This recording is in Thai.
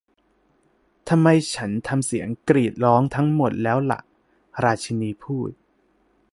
'ทำไมฉันทำเสียงกรีดร้องทั้งหมดแล้วล่ะ' ราชินีพูด